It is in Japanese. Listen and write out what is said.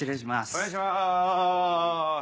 お願いします！